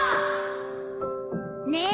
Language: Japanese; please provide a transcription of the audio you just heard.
ねえ！